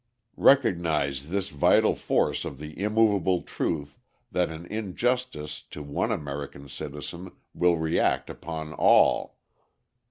Recognise this vital force of the immovable truth that an injustice to one American citizen will react upon all.